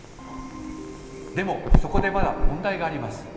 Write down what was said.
でもそこでまだ問題があります。